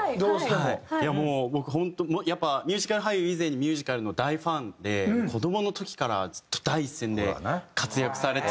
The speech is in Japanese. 本当やっぱミュージカル俳優以前にミュージカルの大ファンで子どもの時からずっと第一線で活躍されてて。